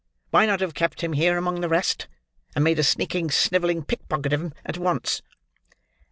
Why not have kept him here among the rest, and made a sneaking, snivelling pickpocket of him at once?"